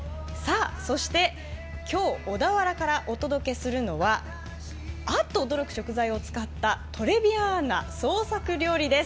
そして、今日、小田原からお届けするのはあっ！と驚く素材を使ったトレビアンな創作料理です。